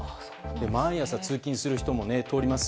毎朝通勤する人も通ります。